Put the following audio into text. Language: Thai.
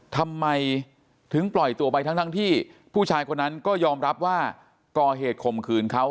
ทำไมถึงปล่อยตัวไปทั้งที่ผู้ชายคนนั้นก็ยอมรับว่าก่อเหตุข่มขืนเขา